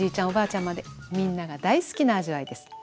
おばあちゃんまでみんなが大好きな味わいです。